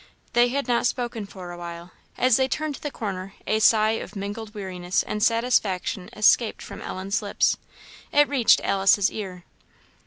They had not spoken for a while; as they turned the corner, a sigh of mingled weariness and satisfaction escaped from Ellen's lips. It reached Alice's ear.